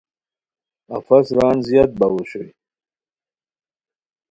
افس ران زیاد باؤ اوشوئے